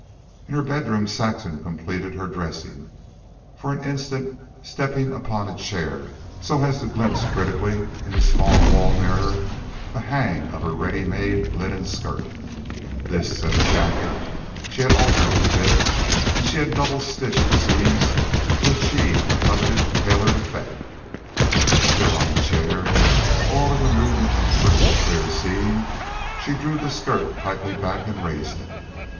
In her bedroom Saxon completed her dressing, for an instant stepping upon a chair so as to glimpse critically in the small wall mirror the hang of her ready made linen skirt. This, and the jacket, she had altered to fit, and she had double stitched the seams to achieve the coveted tailored effect. Still on the chair, all in the moment of quick clear seeing, she drew the skirt tightly back and raised it.